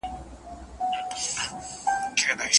د قرآن کريم علم ته تر نورو علومو زياته اړتيا ده.